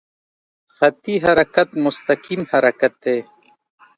خطي حرکت مستقیم حرکت دی.